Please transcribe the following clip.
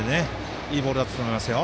いいボールだったと思いますよ。